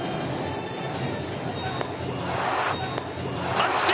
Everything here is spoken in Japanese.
三振！